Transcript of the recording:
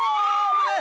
危ねえ